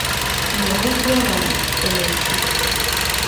У яго аж галава кружылася.